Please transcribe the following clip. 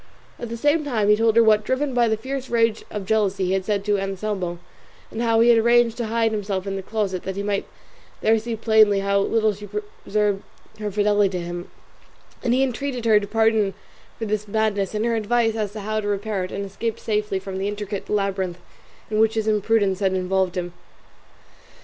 At the same time he told her what, driven by the fierce rage of jealousy, he had said to Anselmo, and how he had arranged to hide himself in the closet that he might there see plainly how little she preserved her fidelity to him; and he entreated her pardon for this madness, and her advice as to how to repair it, and escape safely from the intricate labyrinth in which his imprudence had involved him.